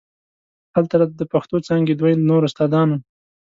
هلته راته د پښتو څانګې دوه نور استادان وو.